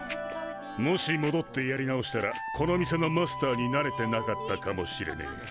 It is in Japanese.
もしもどってやり直したらこの店のマスターになれてなかったかもしれねえ。